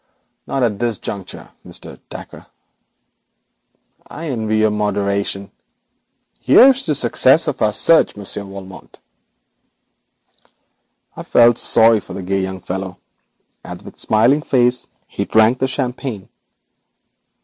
'Not at this juncture, Mr. Dacre.' 'I envy your moderation. Here's to the success of our search, Monsieur Valmont.' I felt sorry for the gay young fellow as with smiling face he drank the champagne.